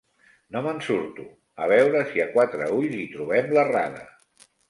No me'n surto. A veure si a quatre ulls hi trobem l'errada.